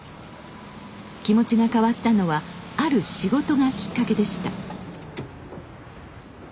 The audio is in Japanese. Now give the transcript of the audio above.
気持ちが変わったのはある仕事がきっかけでした。